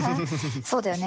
そうだよね。